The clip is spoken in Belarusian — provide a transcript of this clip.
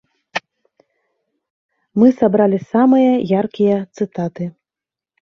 Мы сабралі самыя яркія цытаты.